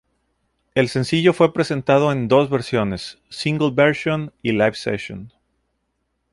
El sencillo fue presentado en dos versiones: Single Version y Live Session.